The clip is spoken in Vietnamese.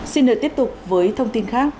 xin được tiếp tục với thông tin khác